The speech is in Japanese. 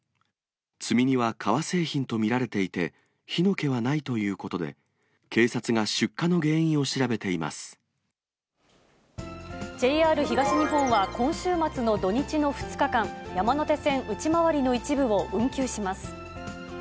積み荷は革製品と見られていて、火の気はないということで、ＪＲ東日本は、今週末の土日の２日間、山手線内回りの一部を運休します。